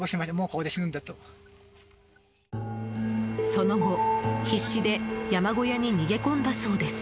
その後、必死で山小屋に逃げ込んだそうです。